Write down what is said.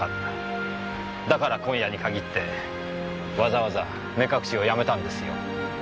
だから今夜に限ってわざわざ目隠しをやめたんですよ。